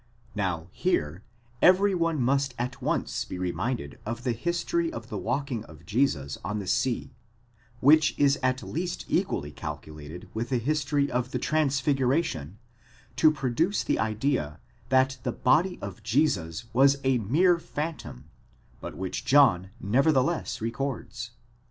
Now, here, every one must at once be reminded of the history of the walking of Jesus on the sea, which is at least equally calculated with the history of the transfigura tion, to produce the idea that the body of Jesus was a mere phantom, but which John nevertheless records.